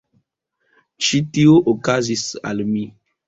Ĉi tio okazis al mi.